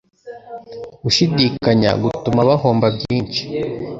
Gushidikanya gutuma bahomba byinshi.